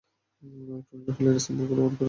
টর্নেডোটা হলিউডের সিম্বলগুলো উপড়ে ফেলছে!